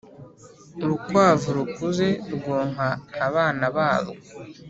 Urukwavu rukuze rwonka abana barwo